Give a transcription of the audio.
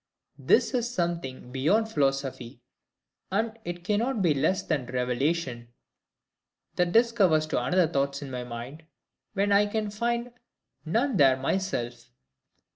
This is something beyond philosophy; and it cannot be less than revelation, that discovers to another thoughts in my mind, when I can find none there myself.